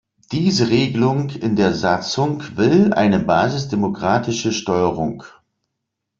Diese Regelung in der Satzung will eine basisdemokratische Steuerung.